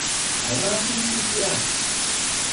Alma fühlt sich geehrt.